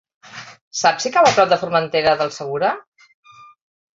Saps si cau a prop de Formentera del Segura?